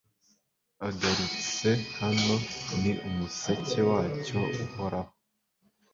Agarutse hano ni umuseke wacyo uhoraho